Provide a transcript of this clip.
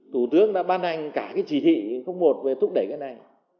thủ tướng đã ban hành cả cái chỉ thị một về thúc đẩy cái này